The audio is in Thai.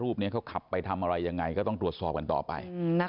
เขาขับไปทำอะไรยังไงก็ต้องตรวจสอบกันต่อไป